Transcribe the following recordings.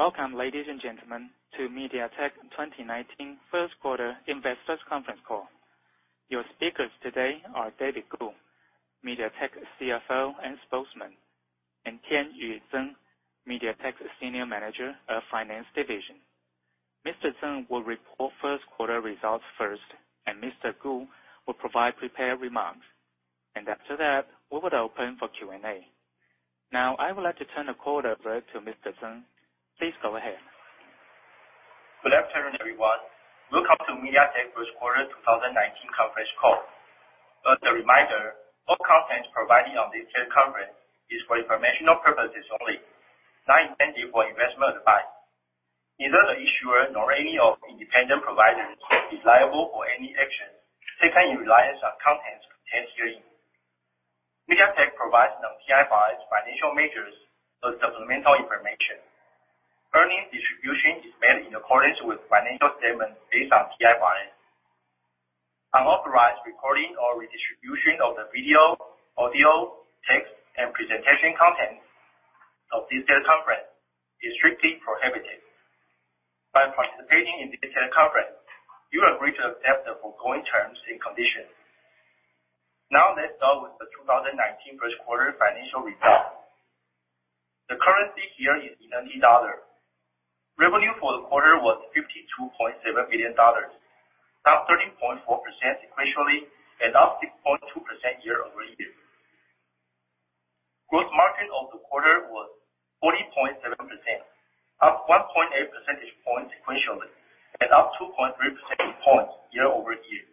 Welcome, ladies and gentlemen, to MediaTek 2019 first quarter investors conference call. Your speakers today are David Ku, MediaTek CFO and Spokesman, and Tienyu Tseng, MediaTek Senior Manager of Finance Division. Mr. Tseng will report first quarter results first, Mr. Ku will provide prepared remarks, and after that, we will open for Q&A. I would like to turn the call over to Mr. Tseng. Please go ahead. Good afternoon, everyone. Welcome to MediaTek first quarter 2019 conference call. Just a reminder, all content provided on this teleconference is for informational purposes only, not intended for investment advice. Neither the issuer nor any of independent providers is liable for any action taken in reliance on contents herein. MediaTek provides non-GAAP financial measures as supplemental information. Earnings distribution is made in accordance with financial statements based on GAAP. Unauthorized recording or redistribution of the video, audio, text, and presentation contents of this teleconference is strictly prohibited. By participating in this teleconference, you agree to accept the foregoing terms and conditions. Let's start with the 2019 first quarter financial report. The currency here is in USD. Revenue for the quarter was 52.7 billion dollars, up 13.4% sequentially and up 6.2% year-over-year. Gross margin of the quarter was 40.7%, up 1.8 percentage points sequentially and up 2.3 percentage points year-over-year.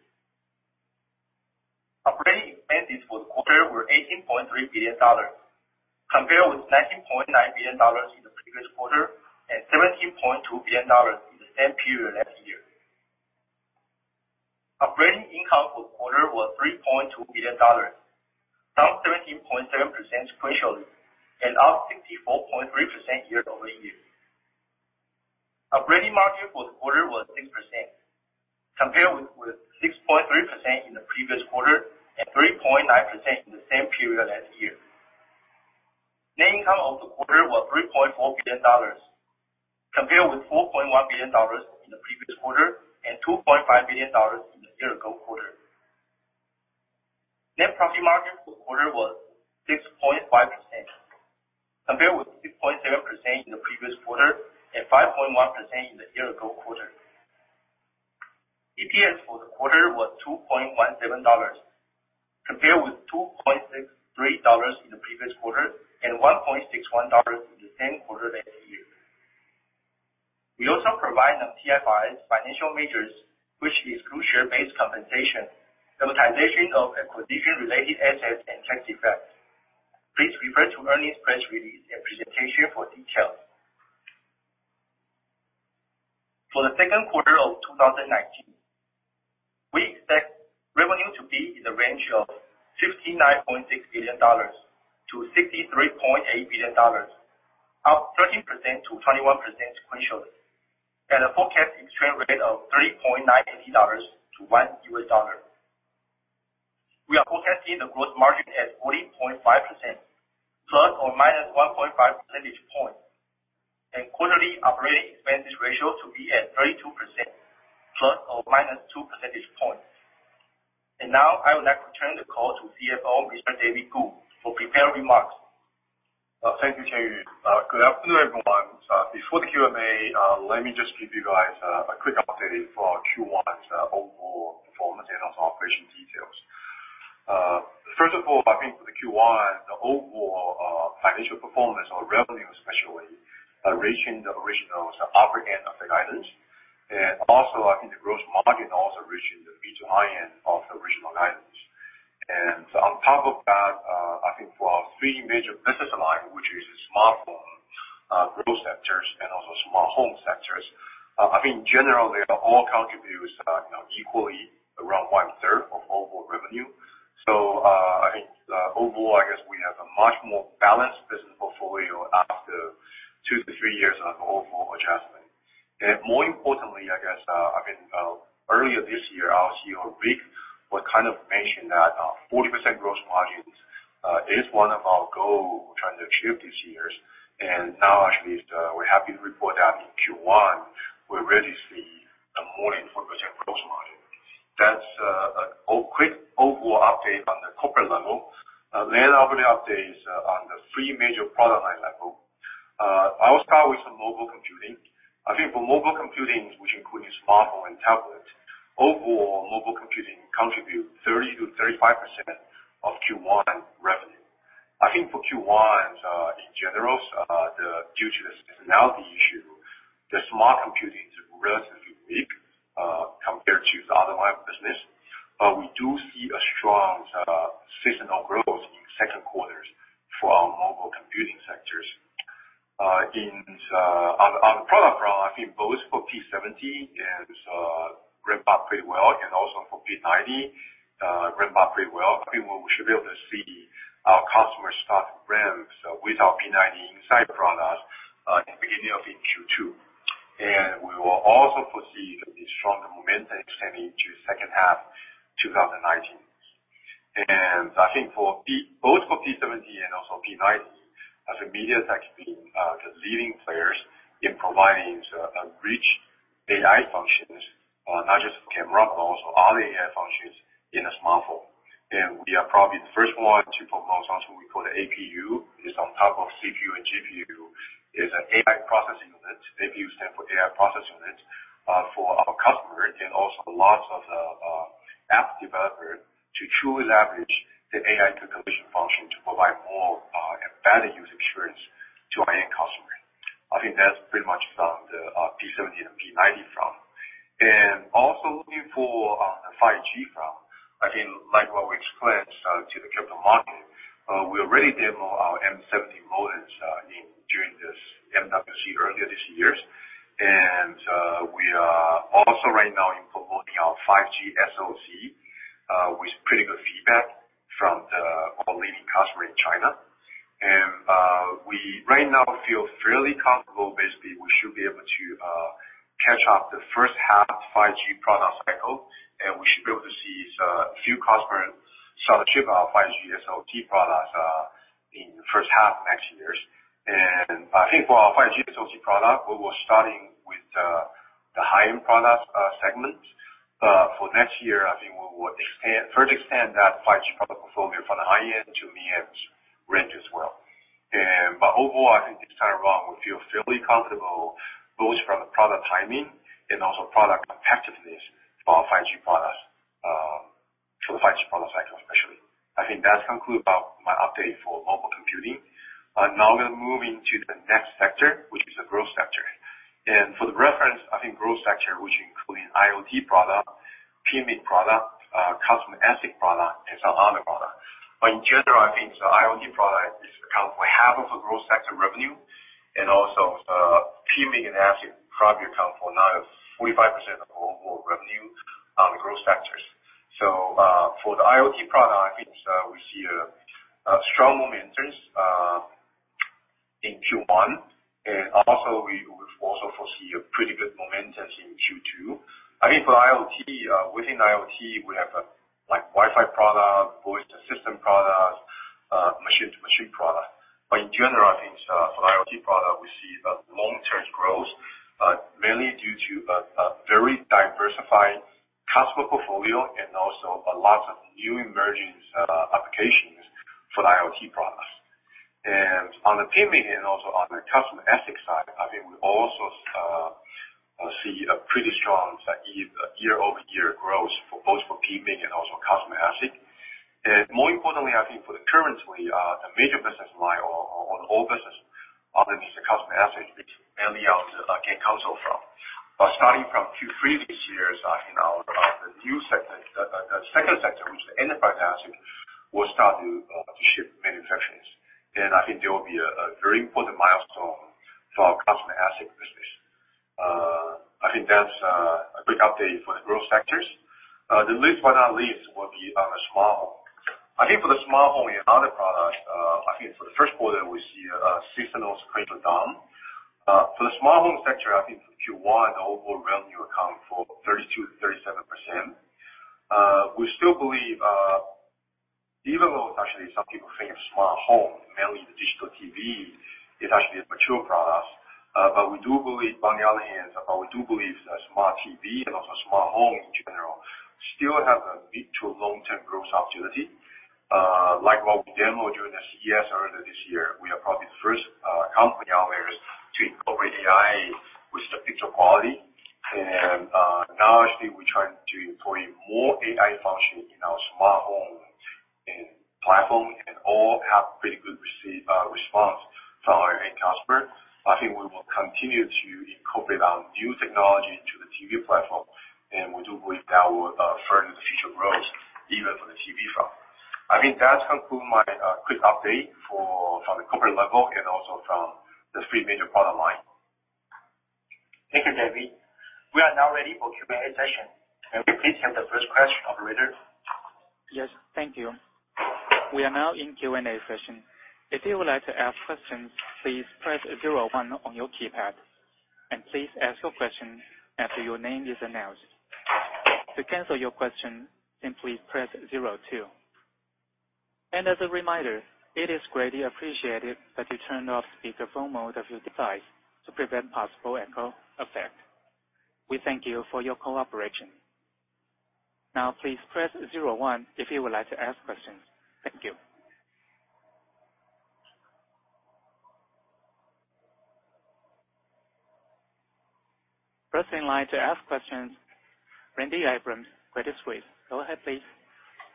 Operating expenses for the quarter were 18.3 billion dollars, compared with 19.9 billion dollars in the previous quarter and 17.2 billion dollars in the same period last year. Operating income for the quarter was 3.2 billion dollars, down 13.7% sequentially and up 64.3% year-over-year. Operating margin for the quarter was 6%, compared with 6.3% in the previous quarter and 3.9% in the same period last year. Net income of the quarter was 3.4 billion dollars, compared with 4.1 billion dollars in the previous quarter and 2.5 billion dollars in the year ago quarter. Net profit margin for the quarter was 6.5%, compared with 6.7% in the previous quarter and 5.1% in the year ago quarter. EPS for the quarter was 2.17 dollars, compared with 2.63 dollars in the previous quarter and 1.61 dollars in the same quarter last year. We also provide non-GAAP financial measures, which is share-based compensation, amortization of acquisition-related assets and tax effect. Please refer to earnings press release and presentation for details. For the second quarter of 2019, we expect revenue to be in the range of 59.6 billion-63.8 billion dollars, up 13%-21% sequentially at a forecast exchange rate of 3.980 dollars to one US dollar. We are forecasting the growth margin at 40.5%, ±1.5 percentage points, and quarterly operating expense ratio to be at 32%, ±2 percentage points. I would like to turn the call to CFO, Mr. David Ku, for prepared remarks. Thank you. Good afternoon, everyone. Before the Q&A, let me just give you guys a quick update for Q1's overall performance and operation details. For the Q1, the overall financial performance, revenue especially, reaching the original upper end of the guidance. The gross margin also reaching the mid to high end of the original guidance. On top of that, for our 3 major business line, which is smartphone, growth sectors, and smart home sectors. Generally, all contribute equally around one-third of overall revenue. Overall, we have a much more balanced business portfolio after 2 to 3 years of overall adjustment. Earlier this year, our CEO, Rick, mentioned that 40% gross margins is one of our goal trying to achieve this year. Now, we're happy to report that in Q1, we already see the more than 40% gross margin. That's a quick overall update on the corporate level. I'll give updates on the 3 major product line level. I will start with mobile computing. For mobile computing, which include smartphone and tablet, overall mobile computing contribute 30%-35% of Q1 revenue. For Q1, in general, due to the seasonality issue, the mobile computing is relatively weak compared to the other line of business. We do see a strong seasonal growth in 2nd quarters from mobile computing sectors. On the product front, both for P70 ramped up pretty well, and for P90 ramped up pretty well. We should be able to see our customers start ramps with our P90 inside products in beginning of Q2. We will also foresee the strong momentum extending to 2nd half 2019. Both for P70 and P90, as MediaTek's been the leading players in providing rich AI functions, not just for camera, but other AI functions in a smartphone. We are probably the first one to promote something we call the APU. It's on top of CPU and GPU. It's an AI processing unit. APU stands for AI processing unit, for our customer and lots of app developer to truly leverage the AI computation function to provide more and better user experience to our end customer. That's pretty much the P70 and P90 front. Looking for the 5G front, like what we explained to the capital market, we already demo our M70 modems during this MWC earlier this year. We are right now in promoting our 5G SoC, with pretty good feedback from our leading customer in China. We right now feel fairly comfortable. We should be able to catch up the 1st half 5G product cycle, and we should be able to see a few customers ship our 5G SoC products in the 1st half of next year. For our 5G SoC product, we will starting with the high-end product segment. For next year, we will further extend that 5G product portfolio from the high-end to medium range as well. Overall, this time around, we feel fairly comfortable both from the product timing and product competitiveness for our 5G products. For the 5G product cycle, especially. That concludes my update for mobile computing. We're moving to the next sector, which is the growth sector. For the reference, I think the growth sector, which includes IoT product, PMIC product, custom ASIC product, and some other product. In general, I think the IoT product accounts for half of the growth sector revenue and also PMIC and ASIC probably account for another 45% of overall revenue on growth sectors. For the IoT product, I think we see a strong momentum in Q1. Also we also foresee a pretty good momentum in Q2. I think for IoT, within IoT, we have Wi-Fi product, voice assistant product, machine-to-machine product. In general, I think for IoT product, we see long-term growth, mainly due to a very diversified customer portfolio and also a lot of new emerging applications for the IoT products. On the PMIC and also on the custom ASIC side, I think we also see a pretty strong year-over-year growth both for PMIC and also custom ASIC. More importantly, I think for the currently, the major business line or the old business under the custom ASIC, which mainly our game console from. Starting from Q3 this year, I think the second sector, which is the enterprise ASIC, will start to ship manufacturing. I think there will be a very important milestone for our custom ASIC business. I think that's a quick update for the growth sectors. The last but not least will be on the smartphone. I think for the smartphone and other product, I think for the first quarter, we see a seasonal cyclical down. For the smartphone sector, I think Q1, the overall revenue account for 32%-37%. Even though it's actually some people think of smartphone, mainly the digital TV, is actually a mature product. On the other hand, we do believe that smart TV and also smartphone in general, still have a bit to long-term growth opportunity. Like what we demo during the CES earlier this year, we are probably the first company out there to incorporate AI with the picture quality. Now, actually, we're trying to employ more AI function in our smartphone and platform and all have pretty good received response from our end customer. I think we will continue to incorporate our new technology to the TV platform, and we do believe that will further the future growth even for the TV front. I think that concludes my quick update from the corporate level and also from the three major product line. Thank you, David. We are now ready for Q&A session. May we please have the first question, operator? Yes. Thank you. We are now in Q&A session. If you would like to ask questions, please press zero one on your keypad. Please ask your question after your name is announced. To cancel your question, simply press zero two. As a reminder, it is greatly appreciated that you turn off speakerphone mode of your device to prevent possible echo effect. We thank you for your cooperation. Now, please press zero one if you would like to ask questions. Thank you. First in line to ask questions, Randy Abrams, Credit Suisse. Go ahead, please.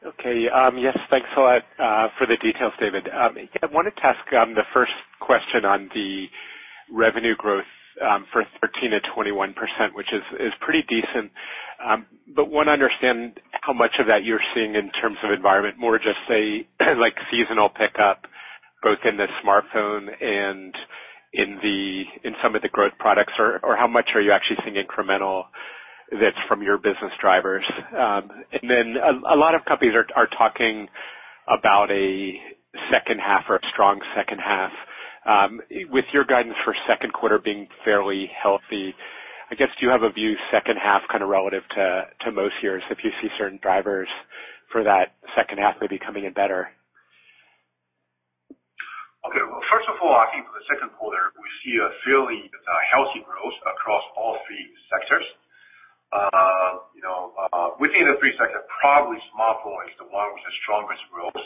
Okay. Yes. Thanks a lot for the details, David. I wanted to ask the first question on the revenue growth for 13%-21%, which is pretty decent. Want to understand how much of that you're seeing in terms of environment, more just say, seasonal pickup, both in the smartphone and in some of the growth products. How much are you actually seeing incremental that's from your business drivers? A lot of companies are talking about a second half or a strong second half. With your guidance for second quarter being fairly healthy, I guess, do you have a view second half relative to most years, if you see certain drivers for that second half maybe coming in better? Okay. Well, first of all, I think for the second quarter, we see a fairly healthy growth across all three sectors. Within the three sectors, probably smartphone is the one with the strongest growth.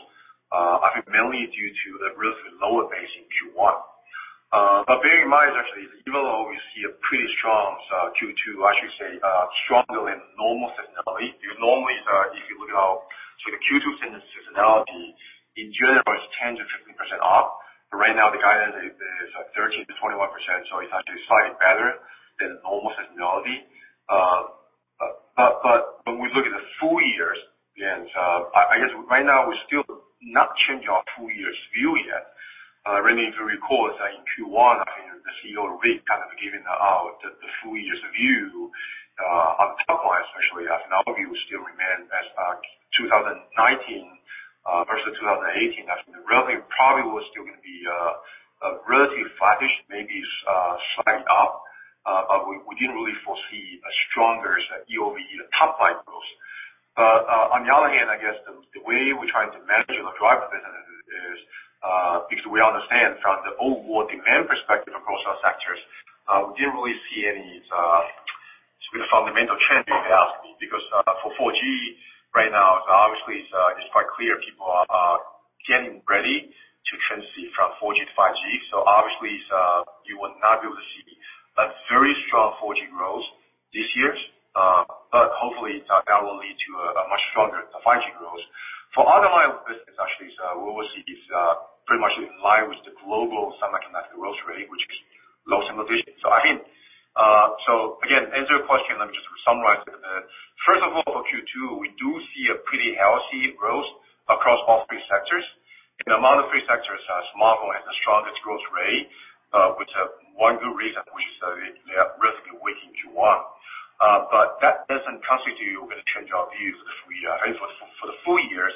I think mainly due to the relatively lower base in Q1. Bear in mind, actually, even though we see a pretty strong Q2, I should say, stronger than normal seasonality. Because normally, if you look at our Q2 seasonality, in general, it's 10%-15% up. Right now the guidance is 13%-21%, so it's actually slightly better than normal seasonality. When we look at the full years, I guess right now we're still not changing our full year's view yet. Really, if you recall, in Q1, I think the CEO, Rick, gave the full year's view on top line, especially as our view still remained as 2019 versus 2018, as the revenue probably was still going to be relatively flattish, maybe slightly up. We didn't really foresee a stronger year-over-year top-line growth. On the other hand, I guess, the way we're trying to manage or drive business is, because we understand from the overall demand perspective across our sectors, we didn't really see any sort of fundamental change in the outlook. For 4G right now, obviously it's quite clear people are getting ready to transit from 4G to 5G. Obviously, you will not be able to see a very strong 4G growth this year. Hopefully, that will lead to a much stronger 5G growth. For other line of business, actually, what we see is pretty much in line with the global semiconductor growth rate, which is low single digits. Again, to answer your question, let me just summarize it a bit. First of all, for Q2, we do see a pretty healthy growth across all three sectors. Among the three sectors, smartphone has the strongest growth rate, with one good reason, which is they have risky weight in Q1. That doesn't constitute we're going to change our views. For the full years,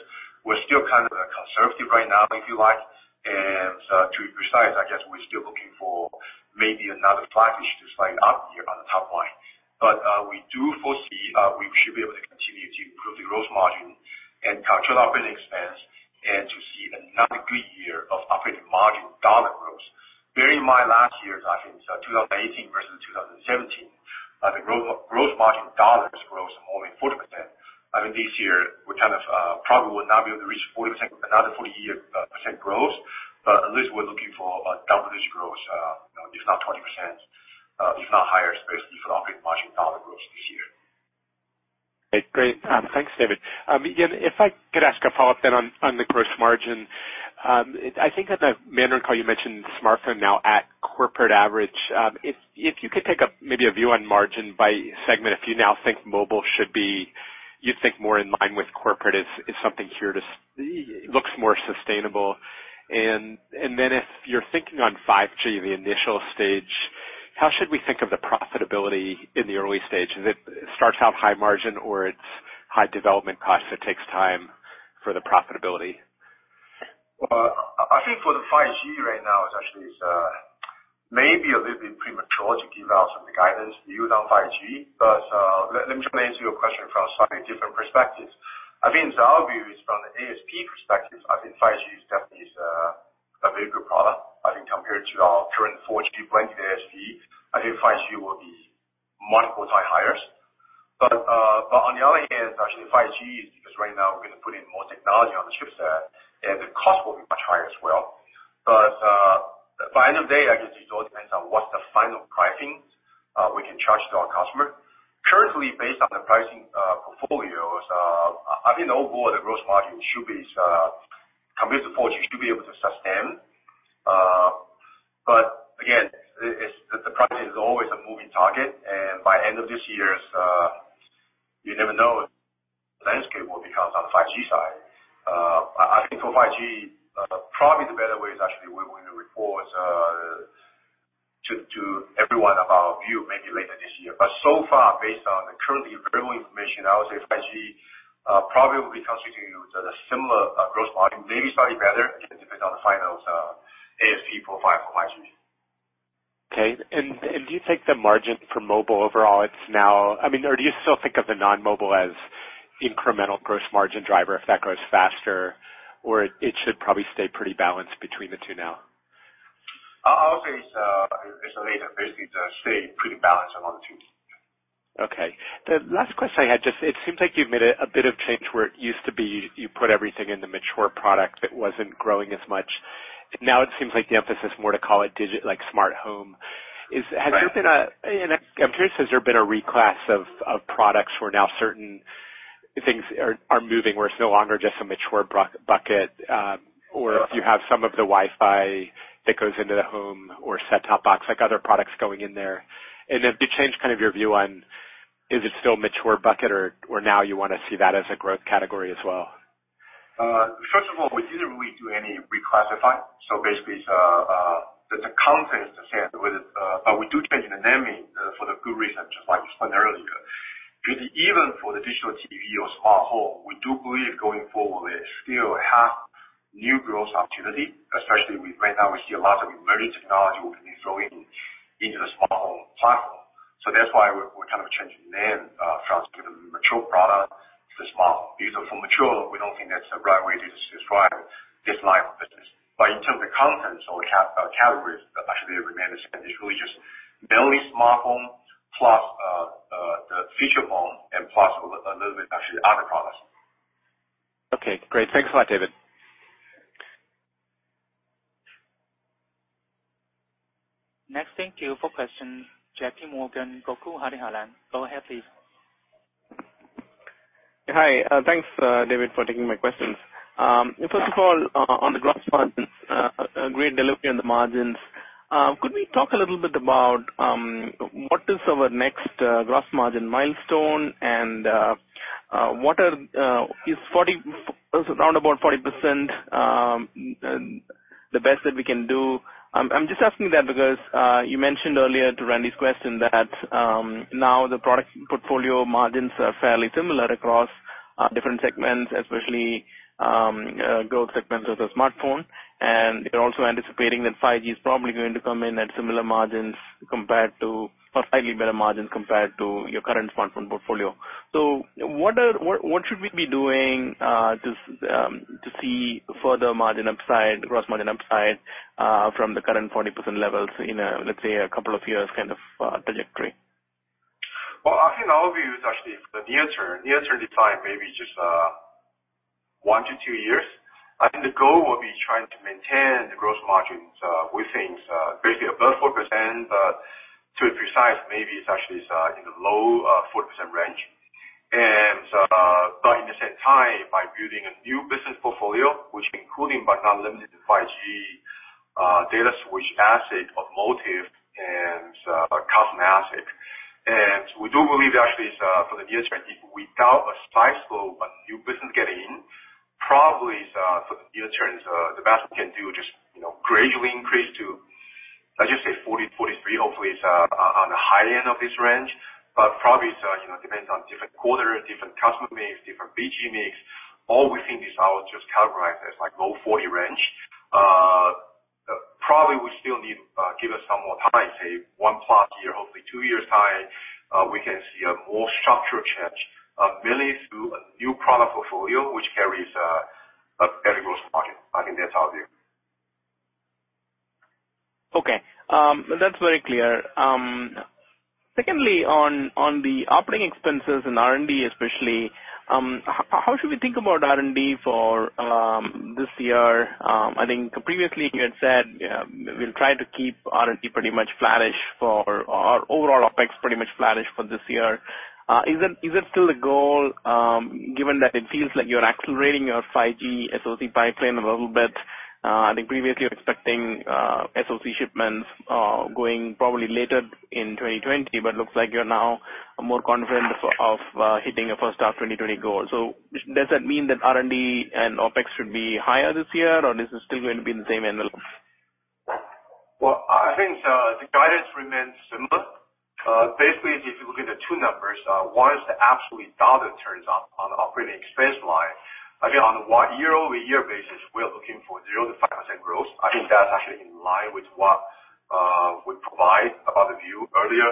we're still conservative right now, if you like. To be precise, I guess we're still looking for maybe another flattish to slightly up year on the top line. We do foresee we should be able to continue to improve the gross margin and control operating expense and to see another good year of operating margin TWD growth. Bear in mind last year, I think 2018 versus 2017, the gross margin TWD growth more than 40%. I think this year, we probably will not be able to reach another 40% growth. At least we're looking for a double-digit growth, if not 20%, if not higher, basically, for operating margin TWD growth this year. Great. Thanks, David. Again, if I could ask a follow-up then on the gross margin. I think on the Mandarin call you mentioned smartphone now at corporate average. If you could take maybe a view on margin by segment, if you now think mobile should be, you think more in line with corporate, is something here that looks more sustainable? Then if you're thinking on 5G, the initial stage, how should we think of the profitability in the early stage? Is it starts out high margin, or it's high development cost that takes time for the profitability? Well, I think for the 5G right now, it actually is maybe a little bit premature to give out some guidance view on 5G. Let me try to answer your question from slightly different perspectives. I think our view is from the ASP perspective, I think 5G definitely is a very good product. I think compared to our current 4G blended ASP, I think 5G will be multiples higher. On the other hand, actually 5G, because right now we're going to put in more technology on the chipset, and the cost will be much higher as well. By end of day, I guess it all depends on what's the final pricing we can charge to our customer. Currently, based on the pricing portfolios, I think overall the gross margin compared to 4G should be able to sustain. Again, the pricing is always a moving target, and by end of this year, you never know what the landscape will become on the 5G side. For 5G, probably the better way is actually we're going to report to everyone our view maybe later this year. So far, based on the currently available information, I would say 5G probably will be constituting with a similar gross margin, maybe slightly better. Again, depends on the final ASP profile for 5G. Okay. Do you think the margin for mobile overall, or do you still think of the non-mobile as incremental gross margin driver, if that grows faster? Or it should probably stay pretty balanced between the two now? I would say it's related, basically, to stay pretty balanced among the two. Okay. The last question I had, it seems like you've made a bit of change where it used to be you put everything in the mature product that wasn't growing as much. Now it seems like the emphasis more to call it digital, like smart home. Right. I'm curious, has there been a reclass of products where now certain things are moving, where it's no longer just a mature bucket? If you have some of the Wi-Fi that goes into the home or set-top box, like other products going in there. If you change your view on, is it still a mature bucket, or now you want to see that as a growth category as well? First of all, many reclassify. Basically, the content is the same. We do change the naming for the good reason, just like you explained earlier. Even for the digital TV or smartphone, we do believe going forward, we still have new growth opportunity, especially right now we see a lot of emerging technology will be flowing into the smartphone platform. That's why we're changing the name, from the mature product to smartphone. For mature, we don't think that's the right way to describe this line of business. In terms of content or categories, actually remain the same. It's really just mainly smartphone plus the feature phone and plus a little bit, actually, other products. Okay, great. Thanks a lot, David. Next, thank you for question. JPMorgan, Gokul Hariharan. Go ahead, please. Hi. Thanks, David, for taking my questions. First of all, on the gross margins, great delivery on the margins. Could we talk a little bit about what is our next gross margin milestone and is around about 40% the best that we can do? I'm just asking that because you mentioned earlier to Randy's question that now the product portfolio margins are fairly similar across different segments, especially growth segments such as smartphone. You're also anticipating that 5G is probably going to come in at similar margins or slightly better margins compared to your current smartphone portfolio. What should we be doing to see further margin upside, gross margin upside from the current 40% levels in, let's say, a couple of years kind of trajectory? Well, I think our view is actually for the near term. Near term defined maybe just one to two years. I think the goal will be trying to maintain the gross margins. We think basically above 40%, but to be precise, maybe it's actually in the low 40% range. In the same time, by building a new business portfolio, which including but not limited to 5G, data switch ASIC, automotive, and custom ASIC. We do believe actually, for the near term, without a slice of a new business getting in, probably for the near term, the best we can do, just gradually increase to, let's just say 40%-43% hopefully is on the high end of this range. Probably depends on different quarter, different customer mix, different BG mix. All within this, I would just categorize as low 40% range. We still need, give us some more time, say 1+ year, hopefully two years time, we can see a more structural change, mainly through a new product portfolio which carries a better gross margin. I think that's our view. Okay. That's very clear. Secondly, on the operating expenses and R&D especially, how should we think about R&D for this year? I think previously you had said we'll try to keep R&D pretty much flat-ish for overall OPEX pretty much flat-ish for this year. Is it still the goal, given that it feels like you're accelerating your 5G SoC pipeline a little bit? I think previously you were expecting SoC shipments going probably later in 2020, looks like you're now more confident of hitting a first half 2020 goal. Does that mean that R&D and OPEX should be higher this year, or this is still going to be in the same envelope? Well, I think the guidance remains similar. Basically, if you look at the two numbers, one is the absolute dollar terms on the operating expense line. Again, on a year-over-year basis, we are looking for 0%-5% growth. I think that's actually in line with what we provide about the view earlier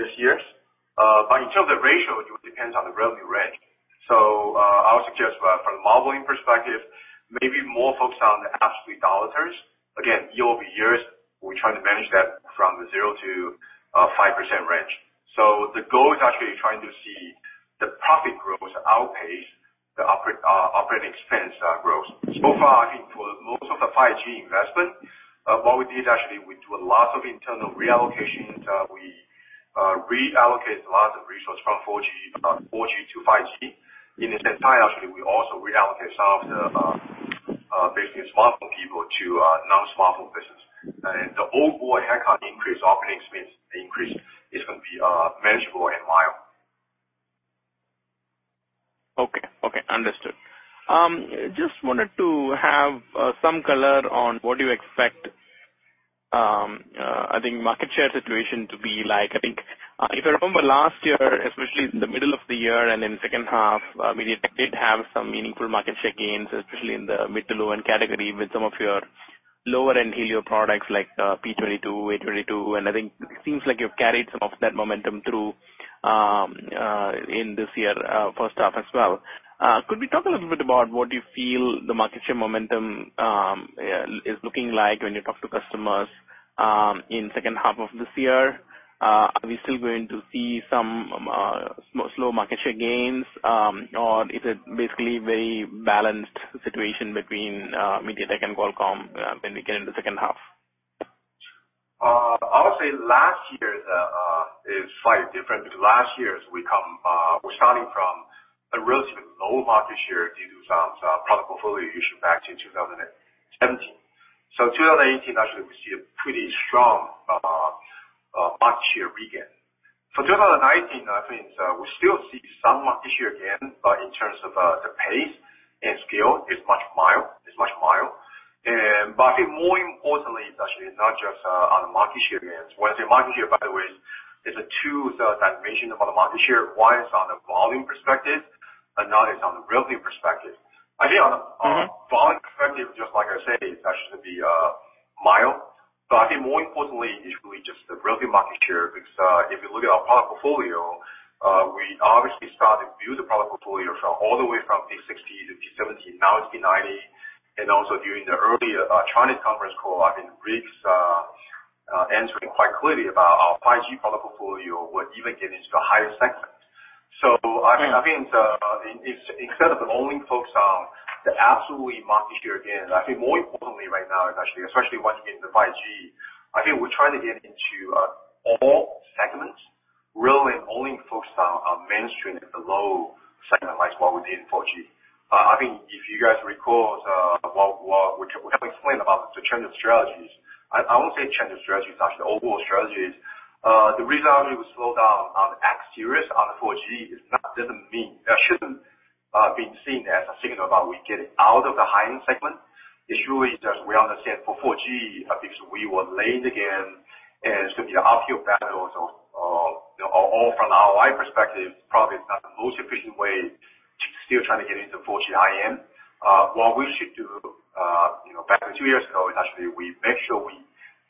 this year. In terms of the ratio, it depends on the revenue range. I would suggest from a modeling perspective, maybe more focused on the absolute dollar terms. Again, year-over-year, we're trying to manage that from the 0%-5% range. The goal is actually trying to see the profit growth outpace the operating expense growth. So far, I think for most of the 5G investment, what we did actually, we do a lot of internal reallocation. We reallocate a lot of resource from 4G to 5G. In the same time, actually, we also reallocate some of the basically smartphone people to non-smartphone business. The overall headcount increase, operating expense increase is going to be manageable and mild. Okay. Understood. Just wanted to have some color on what do you expect, I think market share situation to be like. I think if I remember last year, especially in the middle of the year and in second half, MediaTek did have some meaningful market share gains, especially in the mid to low-end category with some of your lower-end Helio products like Helio P22, Helio A22. I think it seems like you've carried some of that momentum through in this year first half as well. Could we talk a little bit about what do you feel the market share momentum is looking like when you talk to customers in second half of this year? Are we still going to see some slow market share gains? Is it basically very balanced situation between MediaTek and Qualcomm when we get into second half? I would say last year is slightly different because last year we're starting from a relatively low market share due to some product portfolio issue back in 2017. So 2018, actually, we see a pretty strong market share regain. 2019, I think we still see some market share gain, in terms of the pace and scale, it's much mild. I think more importantly, it's actually not just on the market share gains. When I say market share, by the way, there's two dimensions about the market share. One is on the volume perspective, another is on the revenue perspective. I think on- volume perspective, just like I said, it's actually going to be mild. I think more importantly, it's really just the revenue market share, because if you look at our product portfolio, we obviously started to view the product portfolio all the way from P60 to P70, now it's P90. Also during the earlier China conference call, I think Rick's answering quite clearly about our 5G product portfolio will even get into higher segments. I think instead of only focusing on the absolute market share gain, I think more importantly right now, especially once you get into 5G, I think we're trying to get into all segments, rather than only focusing on mainstream below segment like what we did in 4G. I think if you guys recall what Rick explained about the change of strategies, I won't say change of strategies. Actually, the overall strategy is, the reason why we would slow down on the X series on the 4G shouldn't be seen as a signal about we getting out of the high-end segment. It's really just we understand for 4G, because we were late again, and it's going to be a uphill battle. All from ROI perspective, probably it's not the most efficient way to still trying to get into 4G high-end. What we should do, back two years ago, is actually we make sure we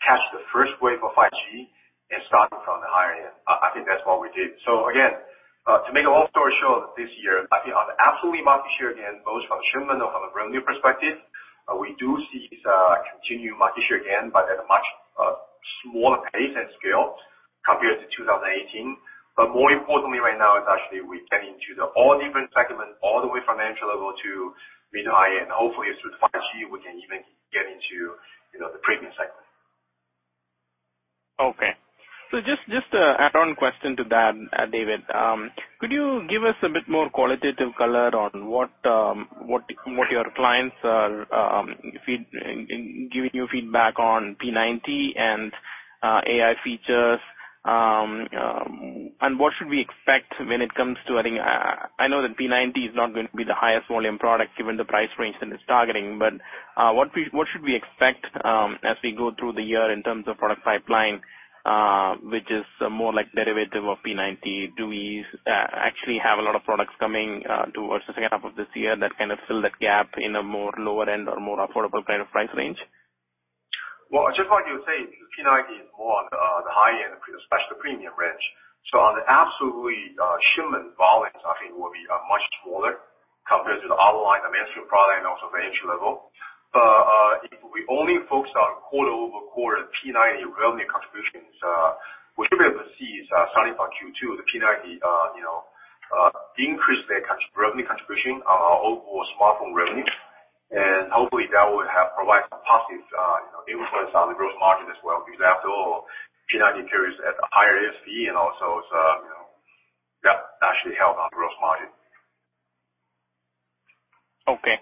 catch the first wave of 5G and start from the higher end. I think that's what we did. Again, to make a long story short, this year, I think on the absolute market share gain, both from shipment or from a revenue perspective, we do see continued market share gain, but at a much smaller pace and scale compared to 2018. More importantly right now is actually we get into the all different segments, all the way from entry-level to mid-high, and hopefully through to 5G, we can even get into the premium segment. Okay. Just add-on question to that, David. Could you give us a bit more qualitative color on what your clients are giving you feedback on P90 and AI features, and what should we expect when it comes to adding I know that P90 is not going to be the highest volume product given the price range that it's targeting, but what should we expect as we go through the year in terms of product pipeline, which is more like derivative of P90? Do we actually have a lot of products coming towards the second half of this year that kind of fill that gap in a more lower end or more affordable kind of price range? Just like you say, P90 is more on the high end, especially premium range. On the absolute shipment volumes, I think it will be much smaller compared to the other line, the mainstream product and also the entry-level. If we only focus on quarter-over-quarter P90 revenue contributions, we should be able to see starting from Q2, the P90 increase their revenue contribution, our overall smartphone revenue. Hopefully that will provide some positive influence on the gross margin as well, because after all, P90 carries a higher ASP and also, that actually help our gross margin. Okay.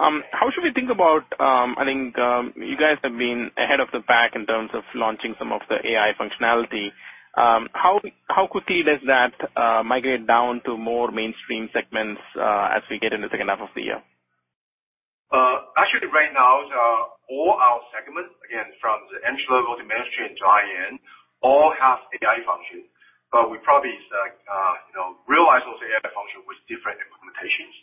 How should we think about, I think you guys have been ahead of the pack in terms of launching some of the AI functionality. How quickly does that migrate down to more mainstream segments as we get into the second half of the year? Actually, right now, all our segments, again, from the entry-level to mainstream to high-end, all have AI function. We probably realize those AI function with different implementations.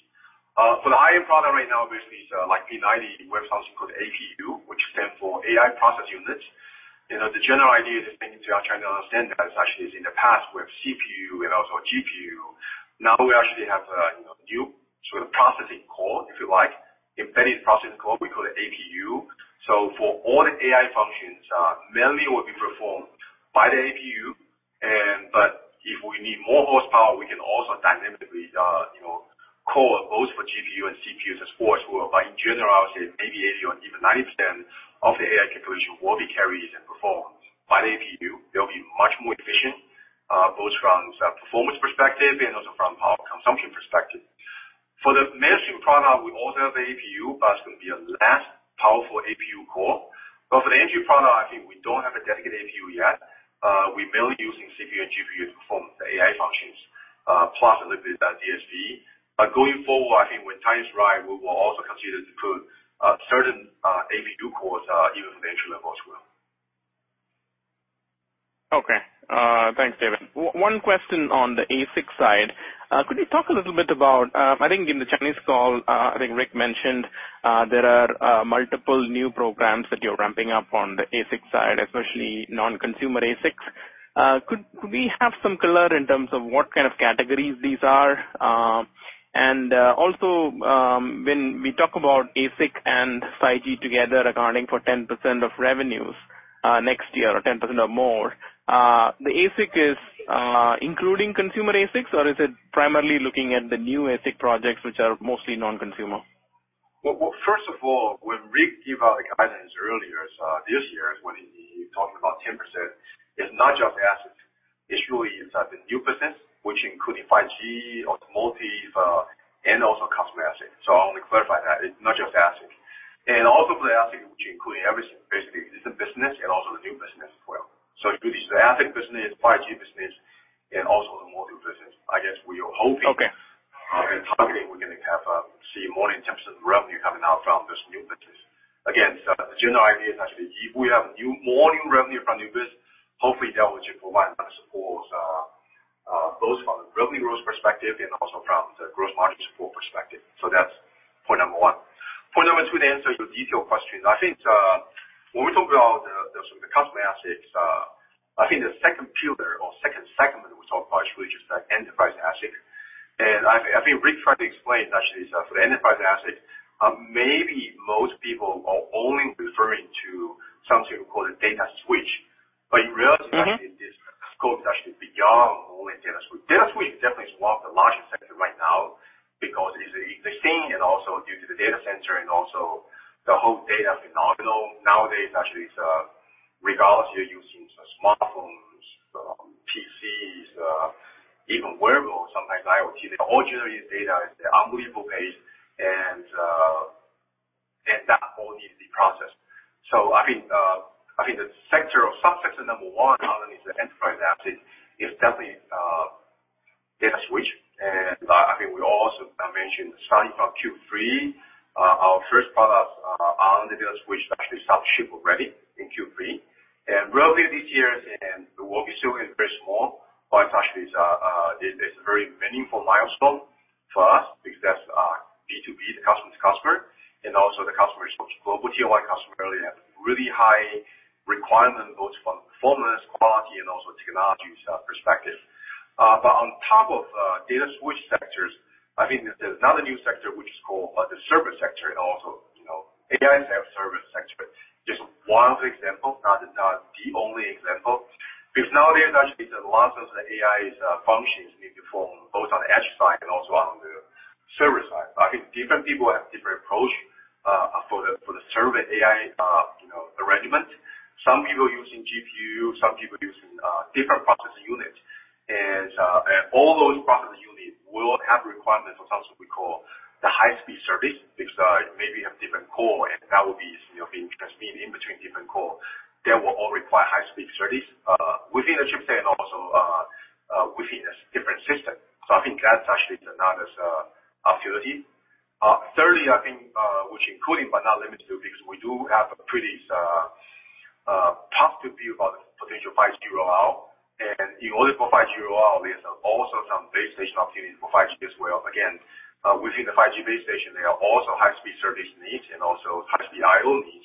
For the high-end product right now, obviously, it's like P90, with something called APU, which stand for AI processing unit. The general idea is, I think if you are trying to understand that, actually is in the past, we have CPU and also GPU. Now we actually have a new sort of processing core, if you like, embedded processing core, we call it APU. For all the AI functions, mainly will be performed by the APU. If we need more horsepower, we can also dynamically call both for GPU and CPU as well. In general, I would say 80%, 85%, or even 90% of the AI computation will be carried and performed by the APU. They'll be much more efficient, both from performance perspective and also from power consumption perspective. For the mainstream product, we also have APU, it's going to be a less powerful APU core. For the entry product, I think we don't have a dedicated APU yet. We're mainly using CPU and GPU to perform the AI functions, plus a little bit of DSP. Going forward, I think when time is right, we will also consider to put certain APU cores even for the entry-level as well. Okay. Thanks, David. One question on the ASIC side. Could you talk a little bit about, I think in the Chinese call, I think Rick mentioned, there are multiple new programs that you're ramping up on the ASIC side, especially non-consumer ASICs. Could we have some color in terms of what kind of categories these are? Also, when we talk about ASIC and 5G together accounting for 10% of revenues next year or 10% or more, the ASIC is including consumer ASICs, or is it primarily looking at the new ASIC projects, which are mostly non-consumer? Well, first of all, when Rick gave out the guidance earlier this year, when he talked about 10%, it's not just the ASIC. Actually, it's the new business, which include 5G or multi, and also customer ASIC. I want to clarify that it's not just ASIC. Also for the ASIC, which include everything, basically, existing business and also the new business as well. You do the ASIC business, 5G business, and also the module business. I guess we are hoping- Okay. -and targeting, we're going to see more in terms of revenue coming out from this new business. Again, the general idea is actually if we have more new revenue from new business, hopefully that would provide better support, both from the revenue growth perspective and also from the gross margin support perspective. That's point number 1. Point number 2, to answer your detail questions. I think, when we talk about some of the customer ASICs, I think the second pillar or second segment we talk about is really just the enterprise ASIC. I think Rick tried to explain, actually, for the enterprise ASIC, maybe most people are only referring to something we call the data switch. But in reality- -actually, this scope is actually beyond only data switch. Data switch definitely is one of the largest sector right now because it's existing and also due to the data center and also the whole data phenomenal. Nowadays, actually, it's regardless you're using smartphones, PCs, even wearables, sometimes IoT, they all generate data. It's unbelievable pace. That all needs to be processed. I think the sector or subsection number 1, other than the enterprise ASIC, is definitely data switch. I think we also mentioned starting from Q3, our first product on the data switch actually start to ship already in Q3. Revenue this year will be still very small. Actually, it's a very meaningful milestone for us because that's B2B, the customer's customer, and also the customer is global Tier 1 customer have really high station, there are also high-speed SerDes needs and also high-speed IO needs.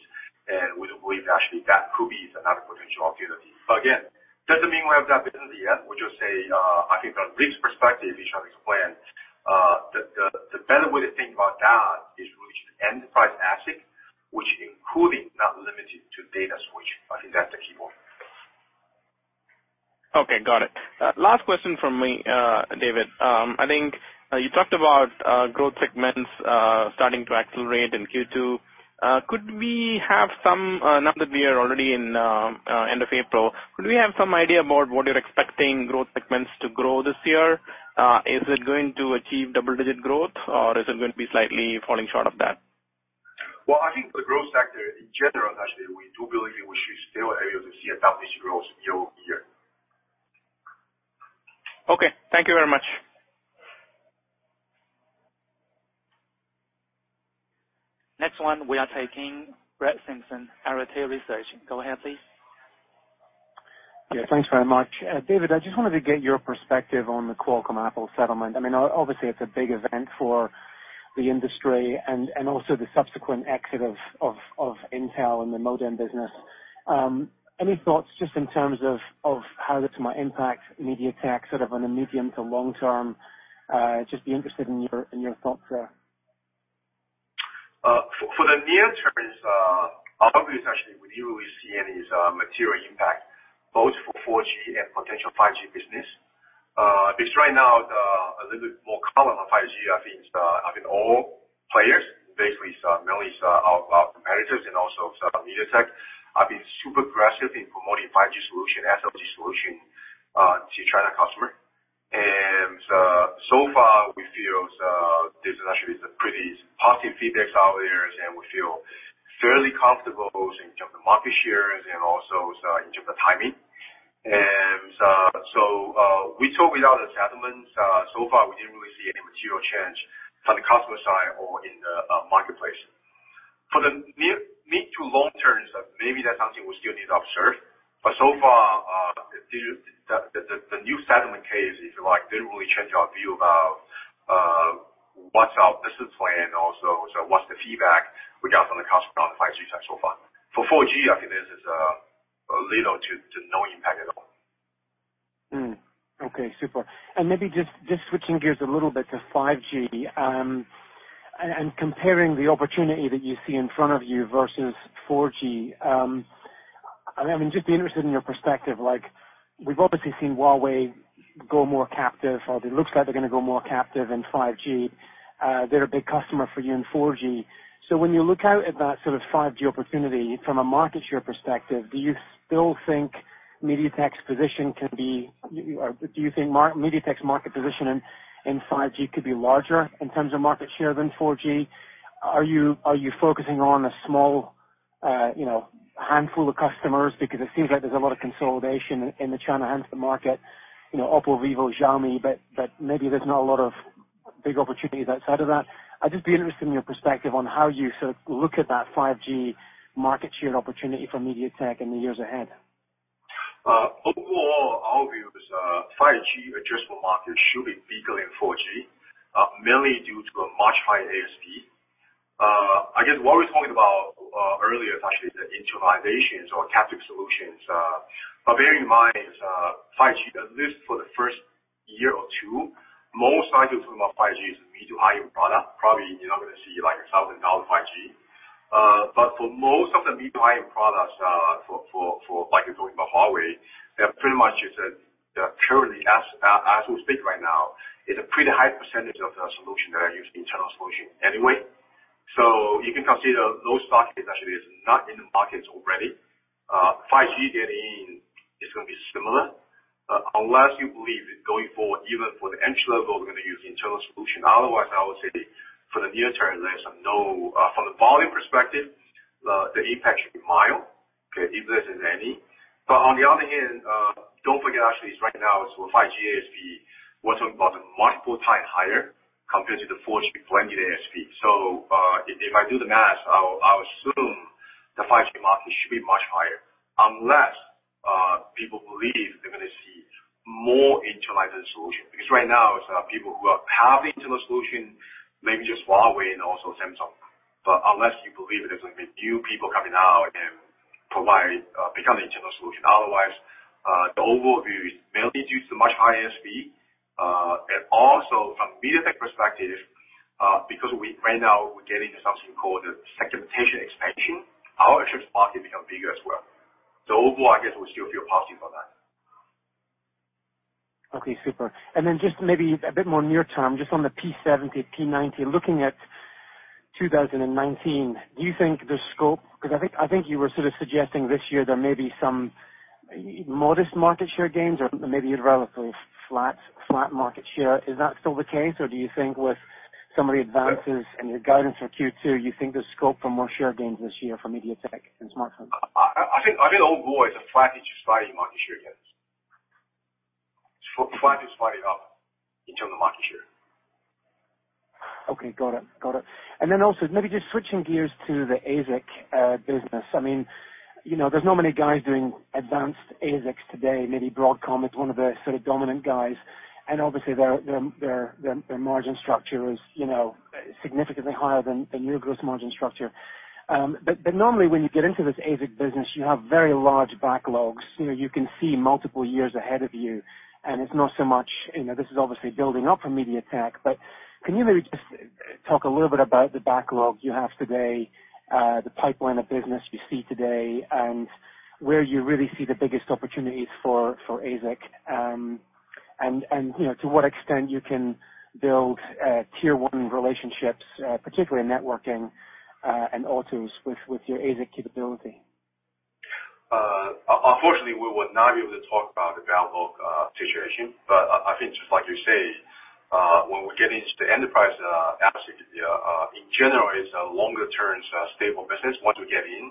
We believe actually that could be another potential opportunity. Again, doesn't mean we have that business yet. We just say, I think from Rick's perspective, he shall explain. The better way to think about that is really enterprise ASIC, which including, not limited to data switch. I think that's the key one. Okay, got it. Last question from me, David. I think you talked about growth segments starting to accelerate in Q2. Now that we are already in end of April, could we have some idea about what you're expecting growth segments to grow this year? Is it going to achieve double-digit growth, or is it going to be slightly falling short of that? Well, I think the growth sector in general, actually, we do believe we should still be able to see a double-digit growth year-over-year. Okay. Thank you very much. Next one we are taking Brett Simpson, Arete Research. Go ahead, please. Yeah. Thanks very much. David, I just wanted to get your perspective on the Qualcomm-Apple settlement. Obviously, it's a big event for the industry and also the subsequent exit of Intel in the modem business. Any thoughts just in terms of how this might impact MediaTek sort of on a medium to long term? Just be interested in your thoughts there. For the near term, obviously, we didn't really see any material impact both for 4G and potential 5G business. Right now, a little bit more color on 5G, I think all players, basically, mainly our competitors and also MediaTek, have been super aggressive in promoting 5G solution, SoC solution to China customer. So far, we feel this is actually the pretty positive feedbacks out there, and we feel fairly comfortable both in terms of market shares and also in terms of timing. We talk without the settlements. So far, we didn't really see any material change from the customer side or in the marketplace. For the mid to long term, maybe that's something we still need to observe. So far, the new settlement case, if you like, didn't really change our view about what's our business plan, also what's the feedback we got from the customer on 5G side so far. For 4G, I think this is a little to no impact at all. Hmm. Okay, super. Maybe just switching gears a little bit to 5G, and comparing the opportunity that you see in front of you versus 4G. I mean, just be interested in your perspective, like we've obviously seen Huawei go more captive, or it looks like they're going to go more captive in 5G. They're a big customer for you in 4G. When you look out at that sort of 5G opportunity from a market share perspective, do you think MediaTek's market position in 5G could be larger in terms of market share than 4G? Are you focusing on a small handful of customers? Because it seems like there's a lot of consolidation in the China handset market, Oppo, Vivo, Xiaomi, but maybe there's not a lot of big opportunities outside of that. I'd just be interested in your perspective on how you look at that 5G market share opportunity for MediaTek in the years ahead. Overall, our view is 5G addressable market should be bigger than 4G, mainly due to a much higher ASP. I guess what we were talking about earlier is actually the internalizations or captive solutions. Bearing in mind, 5G, at least for the first year or two, most likely to talk about 5G is a mid to high-end product. Probably, you're not going to see a $1,000 5G. For most of the mid to high-end products, like you're talking about Huawei, they are pretty much, currently as we speak right now, is a pretty high percentage of the solution that I use, internal solution anyway. You can consider those stock is actually is not in the markets already. 5G getting in is going to be similar. Unless you believe that going forward, even for the entry level, we're going to use the internal solution. Otherwise, I would say for the near term, from the volume perspective, the impact should be mild, if there is any. On the other hand, don't forget, actually, as right now, as for 5G ASP, we're talking about multiple times higher compared to the 4G ASP. If I do the math, I assume the 5G market should be much higher, unless people believe they're going to see more internalized solution. Right now, it's people who have internal solution, maybe just Huawei and also Samsung. Unless you believe there's going to be new people coming out and provide internal solution, otherwise, the overall view is mainly due to much higher ASP. Also from MediaTek perspective, because right now we're getting into something called segmentation expansion, our addressable market become bigger as well. Overall, I guess we still feel positive about that. Okay, super. Then just maybe a bit more near term, just on the P70, P90, looking at 2019, do you think the scope because I think you were sort of suggesting this year there may be some modest market share gains, or maybe relatively flat market share. Is that still the case, or do you think with some of the advances and your guidance for Q2, you think there's scope for more share gains this year for MediaTek in smartphones? I think overall, it's a flat to slightly market share gains. It's flat to slightly up in terms of market share. Okay, got it. Then also, maybe just switching gears to the ASIC business. There's not many guys doing advanced ASICs today. Maybe Broadcom is one of the dominant guys, and obviously their margin structure is significantly higher than your gross margin structure. Normally, when you get into this ASIC business, you have very large backlogs. You can see multiple years ahead of you, and it's not so much, this is obviously building up for MediaTek, but can you maybe just talk a little bit about the backlog you have today, the pipeline of business you see today, and where you really see the biggest opportunities for ASIC? To what extent you can build tier one relationships, particularly in networking, and autos with your ASIC capability. Unfortunately, we will not be able to talk about the backlog situation. I think just like you say, when we get into the enterprise ASIC, in general, it's a longer-term, stable business once you get in.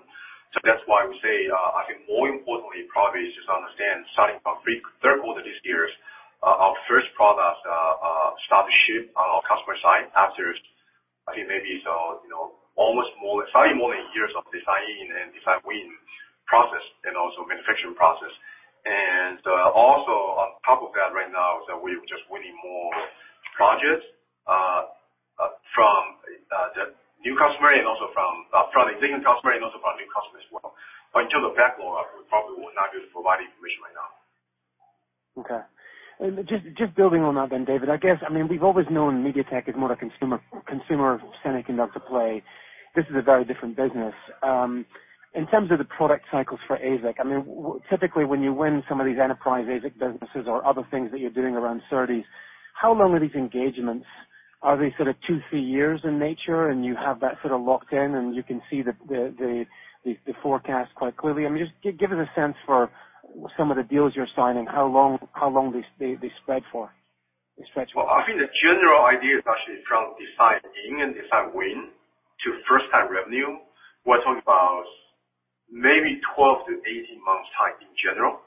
That's why we say, I think more importantly, probably just understand starting from third quarter this year, our first product start to ship on our customer side after, I think maybe it's almost more than, slightly more than a year of designing and design win process and also manufacturing process. On top of that right now is that we're just winning more projects from the existing customer and also from new customers as well. In terms of backlog, we probably will not be able to provide information right now. Okay. Just building on that then, David, I guess, we've always known MediaTek as more a consumer-centric conductor play. This is a very different business. In terms of the product cycles for ASIC, typically, when you win some of these enterprise ASIC businesses or other things that you're doing around SerDes, how long are these engagements? Are they sort of two, three years in nature, and you have that sort of locked in and you can see the forecast quite clearly? Just give us a sense for some of the deals you're signing, how long they spread for. Well, I think the general idea is actually from design in and design win to first time revenue, we're talking about maybe 12 to 18 months time in general.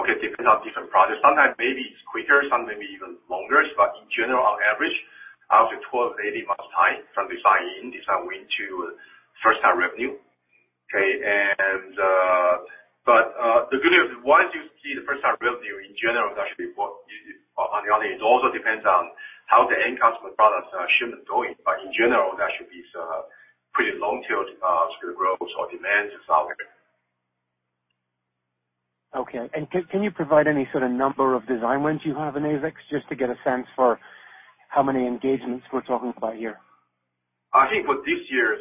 Okay? Depends on different projects. Sometimes maybe it's quicker, some may be even longer, but in general, on average, I'll say 12 to 18 months time from design in, design win to first time revenue. Okay? The good news is once you see the first time revenue, in general, it actually, on the other hand, it also depends on how the end customer products shipment is going. In general, that should be pretty long-term steady growth or demand is out there. Okay. Can you provide any sort of number of design wins you have in ASICs, just to get a sense for how many engagements we're talking about here? I think for this year,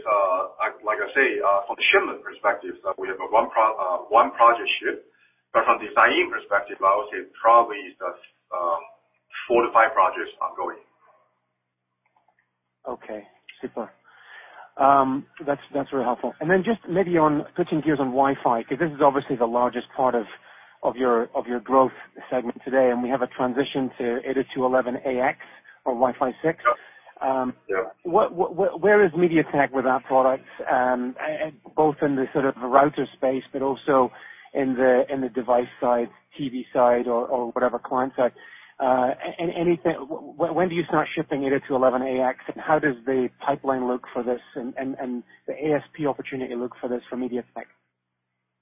like I say, from the shipment perspective, we have a one-project ship. From designing perspective, I would say probably it's four to five projects ongoing. Okay. Super. That's really helpful. Then just maybe on switching gears on Wi-Fi, because this is obviously the largest part of your growth segment today, and we have a transition to 802.11ax or Wi-Fi 6. Yeah. Where is MediaTek with that product, both in the sort of router space, but also in the device side, TV side, or whatever client side. When do you start shipping 802.11ax, and how does the pipeline look for this, and the ASP opportunity look for this for MediaTek?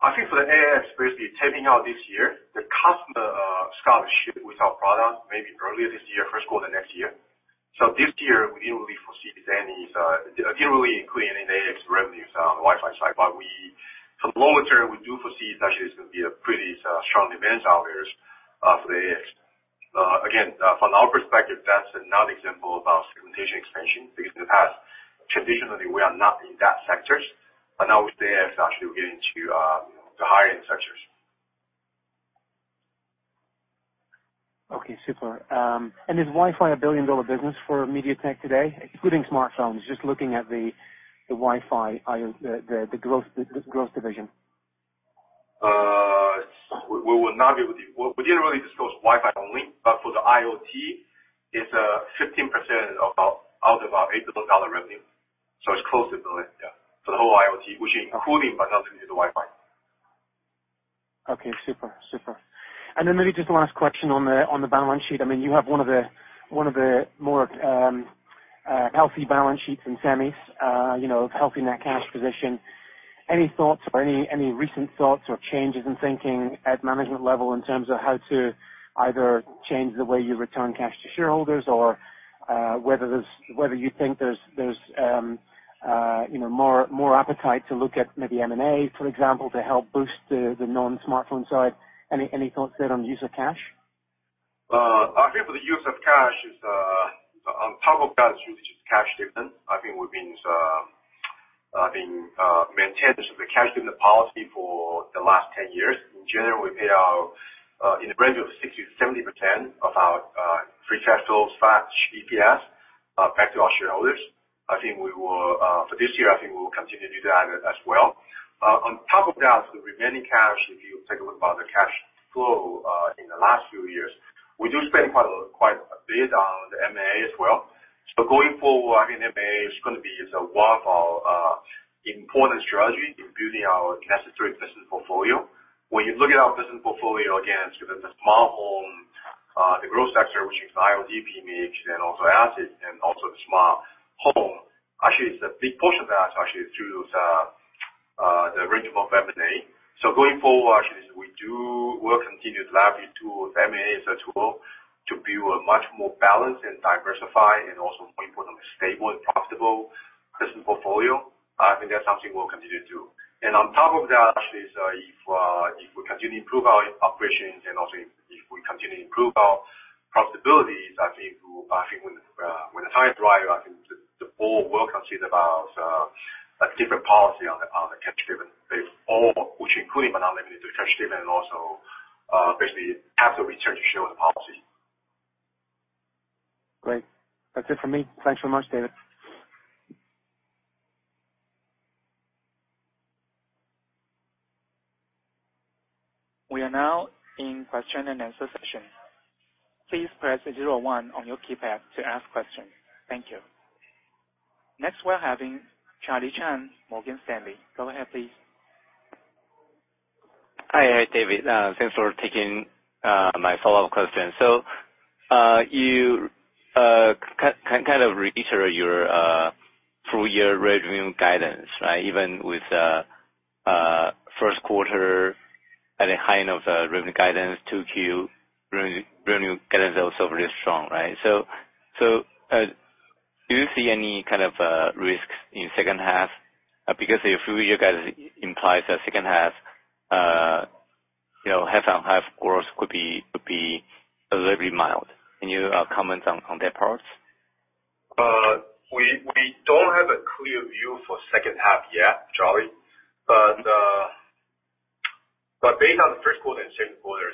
I think for the 802.11ax, basically taping out this year. The customer start to ship with our product maybe early this year, first quarter next year. This year, we didn't really foresee any, didn't really include any 802.11ax revenues on the Wi-Fi side. For the longer term, we do foresee it's actually going to be a pretty strong demand out there for the 802.11ax. Again, from our perspective, that's another example of our segmentation expansion. In the past, traditionally, we are not in that sectors. Now with the 802.11ax, actually we get into the higher-end sectors. Is Wi-Fi a billion-dollar business for MediaTek today, including smartphones, just looking at the Wi-Fi, the growth division? We didn't really disclose Wi-Fi only. For the IoT, it's 15% out of our 8 billion dollar revenue. It's close to 1 billion, yeah. For the whole IoT, which including, but not limited to Wi-Fi. Okay. Super. Maybe just the last question on the balance sheet. You have one of the more healthy balance sheets in semis, healthy net cash position. Any recent thoughts or changes in thinking at management level in terms of how to either change the way you return cash to shareholders, or whether you think there's more appetite to look at maybe M&A, for example, to help boost the non-smartphone side? Any thoughts there on the use of cash? I think for the use of cash, on top of that is usually just cash dividend. We've been maintaining the cash dividend policy for the last 10 years. In general, we pay out in the range of 60%-70% of our free cash flow, non-GAAP EPS, back to our shareholders. For this year, I think we will continue to do that as well. On top of that, the remaining cash, if you take a look at the cash flow in the last few years, we do spend quite a bit on the M&A as well. Going forward, M&A is going to be one of our important strategy in building our necessary business portfolio. When you look at our business portfolio, again, there's the smart home, the growth sector, which is IoT, Imagiq, and also ASIC, and also the smart home. It's a big portion of that, through the range of M&A. Going forward, we do work continuously to M&A as a tool to build a much more balanced and diversified, and also more importantly, stable and profitable business portfolio. I think that's something we'll continue to do. On top of that, if we continue to improve our operations and also if we continue to improve our profitability. I think when the time is right, I think the board will consider about a different policy on the cash dividend. They form, which including but not limited to cash dividend, also basically active return to shareholder policy. Great. That's it for me. Thanks so much, David. We are now in question and answer session. Please press 01 on your keypad to ask questions. Thank you. We're having Charlie Chan, Morgan Stanley. Go ahead, please. Hi, David. Thanks for taking my follow-up question. You can reiterate your full-year revenue guidance. Even with first quarter at a high enough revenue guidance, 2Q revenue guidance also very strong. Do you see any risks in second half? Your full-year guidance implies that second half-on-half growth could be a little bit mild. Any comments on that part? We don't have a clear view for second half yet, Charlie. Based on the first quarter and second quarter,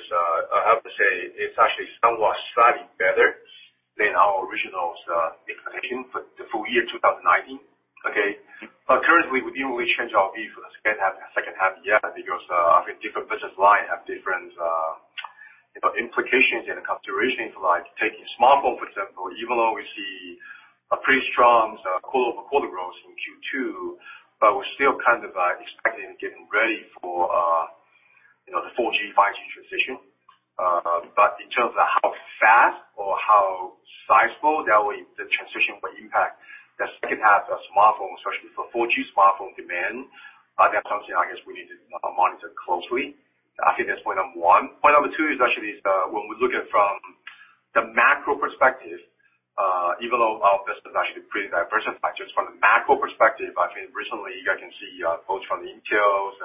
I have to say it's actually somewhat slightly better than our original expectation for the full year 2019. Currently, we didn't really change our view for the second half yet because different business line have different implications and considerations. Like taking smart home, for example, even though we see a pretty strong quarter-over-quarter growth in Q2, we're still kind of expecting and getting ready for the 4G, 5G transition. In terms of how fast or how sizable that the transition will impact the second half of smartphone, especially for 4G smartphone demand, that's something I guess we need to monitor closely. I think that's point 1. Point 2 is actually, when we look at it from the macro perspective, even though our business is actually pretty diverse in factors, from the macro perspective, I think recently you can see both from Intel's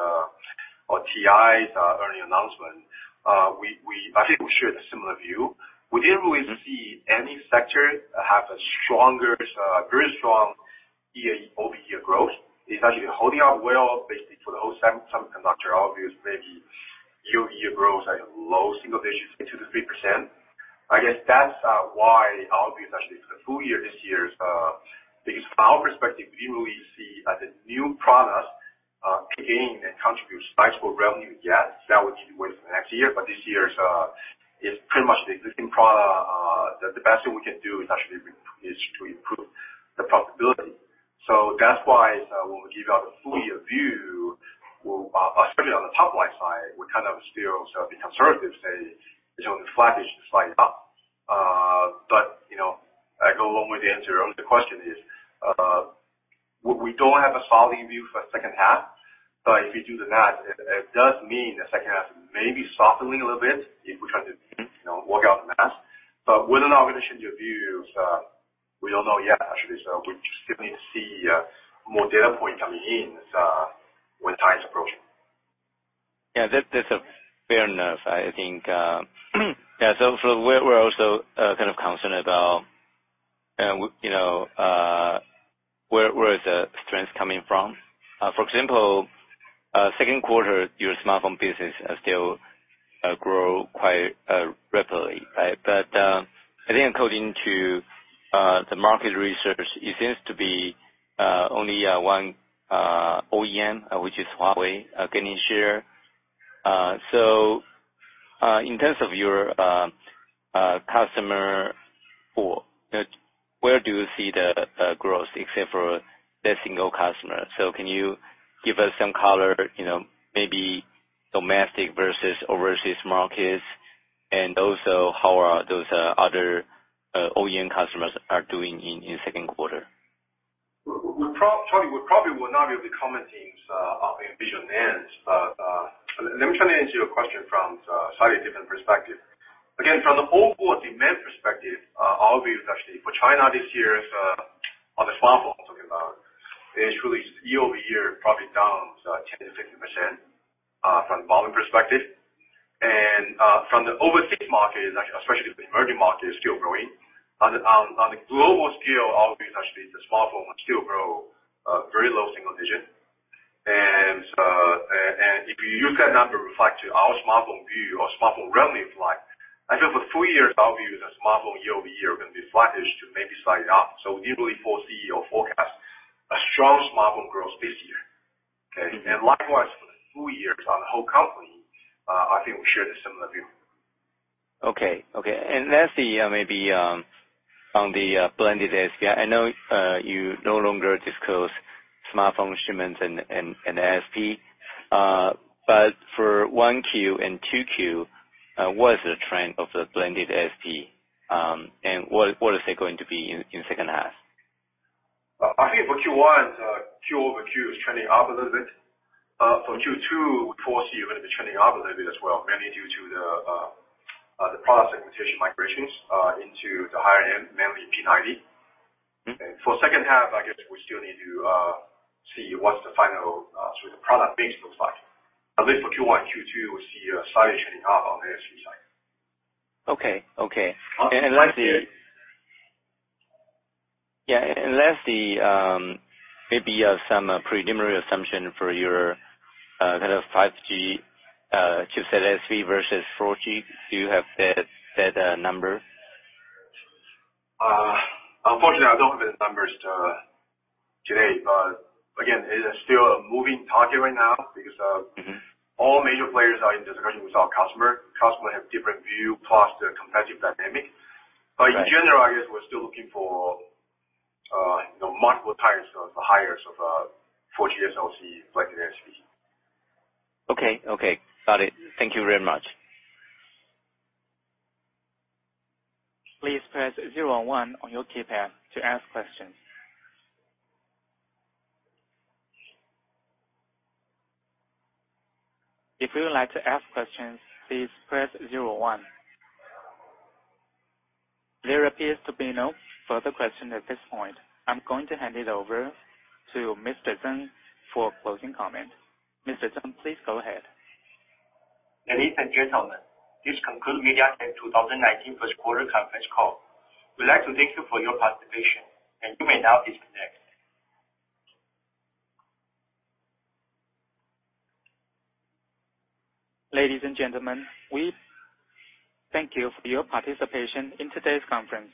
or TI's earnings announcement. I think we share the similar view. We didn't really see any sector have a very strong year-over-year growth. It's actually holding up well, basically, for the whole semiconductor, obviously, maybe year-over-year growth, low single digits, 2%-3%. I guess that's why our view, actually, for the full year this year is, because our perspective, we really see the new products kick in and contribute sizable revenue. That will be more for next year, but this year is pretty much the existing product. The best thing we can do is actually is to improve the profitability. That's why when we give out a full year view, especially on the top line side, we're still being conservative, say, it's only flattish to slide up. I go along with the answer of the question is, we don't have a solid view for second half. If you do the math, it does mean the second half may be softening a little bit if we're trying to work out the math. Whether or not we're going to change our views, we don't know yet, actually. We just still need to see more data point coming in as when time is approaching. That's fair enough. I think we're also concerned about where the strength coming from. For example, second quarter, your smartphone business still grow quite rapidly. I think according to the market research, it seems to be only one OEM, which is Huawei, gaining share. In terms of your customer pool, where do you see the growth except for that single customer? Can you give us some color, maybe domestic versus overseas markets, and also how are those other OEM customers are doing in second quarter? We probably will not be commenting on individual names. Let me try to answer your question from a slightly different perspective. Again, from the overall demand perspective, our view is actually for China this year, on the smartphone, I'm talking about, is really year-over-year, probably down 10%-16%, from volume perspective. From the overseas market, especially the emerging market, is still growing. On the global scale, our view is actually the smartphone will still grow very low single digit. If you use that number reflect to our smartphone view or smartphone revenue slide, I think for full year, our view is that smartphone year-over-year going to be flattish to maybe slide up. We don't really foresee or forecast a strong smartphone growth this year. Okay. Likewise for the full year on the whole company, I think we share the similar view. Okay. Lastly, maybe, on the blended ASP, I know you no longer disclose smartphone shipments and ASP. For 1Q and 2Q, what is the trend of the blended ASP, and what is it going to be in second half? I think for Q1, quarter-over-quarter is trending up a little bit. For Q2, we foresee it will be trending up a little bit as well, mainly due to the product segmentation migrations into the higher end, mainly P90. For second half, I guess we still need to see what's the final product mix looks like. At least for Q1 and Q2, we see a slight trending up on the ASP side. Okay. Lastly, maybe some preliminary assumption for your 5G chipset ASP versus 4G. Do you have that number? Unfortunately, I don't have the numbers today. Again, it is still a moving target right now because. All major players are in discussion with our customer. Customer have different view, plus the competitive dynamic. Right. In general, I guess we're still looking for multiple times the higher of 4G SoC compared to the ASP. Okay, got it. Thank you very much. Please press zero one on your keypad to ask questions. If you would like to ask questions, please press zero one. There appears to be no further questions at this point. I'm going to hand it over to Mr. Tseng for closing comment. Mr. Zeng, please go ahead. Ladies and gentlemen, this concludes MediaTek 2019 first quarter conference call. We'd like to thank you for your participation, and you may now disconnect. Ladies and gentlemen, we thank you for your participation in today's conference.